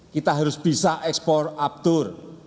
kita harus bisa ekspor aftur